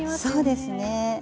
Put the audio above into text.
そうですね。